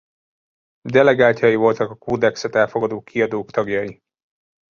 Delegáltjai voltak a kódexet elfogadó kiadók tagjai.